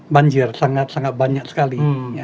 banjir sangat sangat banyak sekali